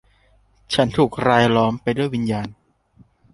ฉันถูกรายล้อมไปด้วยวิญญาณ